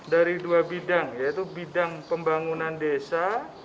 dari dua bidang yaitu bidang pembangunan desa